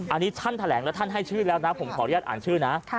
อันนี้ท่านแถลงแล้วท่านให้ชื่อแล้วนะผมขออนุญาตอ่านชื่อนะ